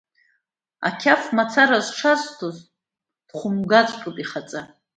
Ақьаф мацара зҽазҭаз дхәымгаҵәҟьоуп, ихаҵа!